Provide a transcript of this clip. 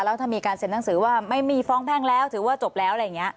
แล้วถ้ามีการเซ็นหนังสือว่าไม่มีฟ้องแพ่งแล้วถือว่าจบแล้วอะไรอย่างนี้